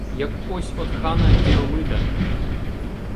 Як ось од хана Діомида